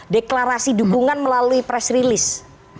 deklarasi dukungan melalui press release